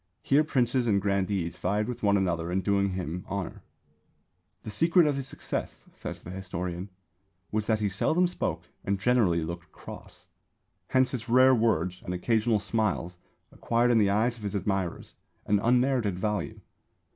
Here princes and grandees vied with one another in doing him honour. "The secret of his success," says the historian, "was that he seldom spoke and generally looked cross. Hence his rare words and occasional smiles acquired in the eyes of his admirers an unmerited value."